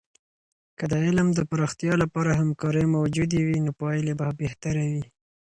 که د علم د پراختیا لپاره همکارۍ موجودې وي، نو پایلې به بهتره وي.